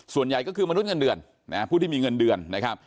ส่วนใหญ่ก็คือมนุษย์เงินเดือนผู้ที่มีเงินเดือนนะครับ